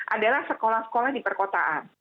adalah sekolah sekolah di perkotaan